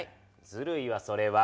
ずるいわそれは。